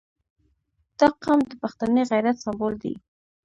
• دا قوم د پښتني غیرت سمبول دی.